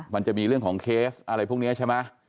มันจะมีเรื่องของเคสอะไรพวกนี้ใช่ไหม